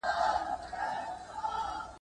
له رقیبه مو ساتلی راز د میني .